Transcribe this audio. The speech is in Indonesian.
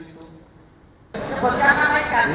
sebutkan nama ikan pak